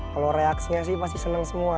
kalau reaksinya sih pasti senang semua